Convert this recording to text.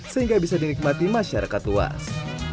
sehingga bisa dinikmati masyarakat luas